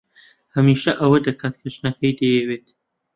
هەمیشە ئەوە دەکات کە ژنەکەی دەیەوێت.